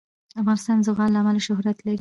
افغانستان د زغال له امله شهرت لري.